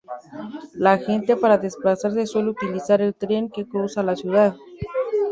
La gente para desplazarse suele utilizar el tren que cruza la ciudad.